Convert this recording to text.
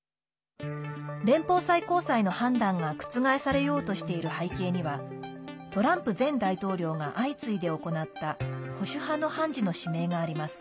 連邦最高裁の判断が覆されようとしている背景にはトランプ前大統領が相次いで行った保守派の判事の指名があります。